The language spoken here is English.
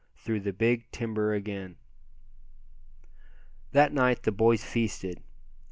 THROUGH THE BIG TIMBER AGAIN. That night the boys feasted.